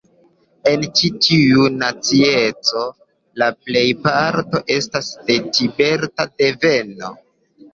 En ĉi tiu nacieco la plejparto estas de Tibeta deveno.